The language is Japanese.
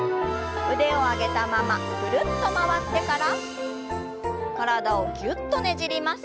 腕を上げたままぐるっと回ってから体をぎゅっとねじります。